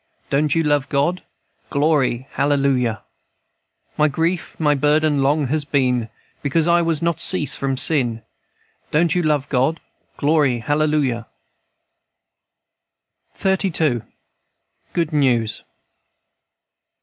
Don't you love God? Glory, hallelujah! "My grief my burden long has been, Because I was not cease from sin. Don't you love God? Glory, hallelujahl" XXXII. GOOD NEWS.